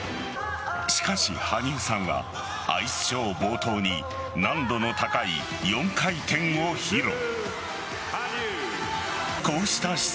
しかし、羽生さんはアイスショー冒頭に難度の高い４回転を披露。